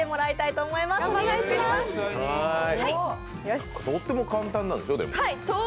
とっても簡単なんでしょ？